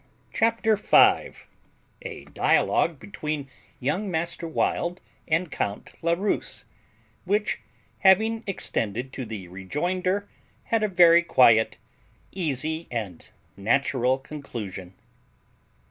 CHAPTER FIVE A DIALOGUE BETWEEN YOUNG MASTER WILD AND COUNT LA RUSE, WHICH, HAVING EXTENDED TO THE REJOINDER, HAD A VERY QUIET, EASY, AND NATURAL CONCLUSION.